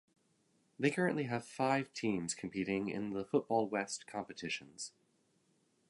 They currently have five teams competing in the Football West competitions.